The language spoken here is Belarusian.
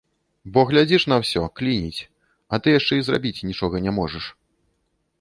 Бо глядзіш на ўсё, клініць, а ты яшчэ і зрабіць нічога не можаш.